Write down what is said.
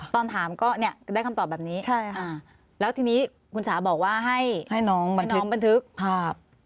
ตอนถามก็ได้คำตอบแบบนี้แล้วทีนี้คุณสาบอกว่าให้น้องบันทึกภาพ